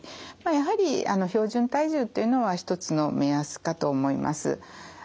やはり標準体重というのは一つの目安かと思います。